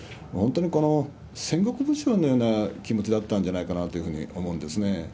本当にこの戦国武将のような気持ちだったんじゃないかなというふうに思うんですね。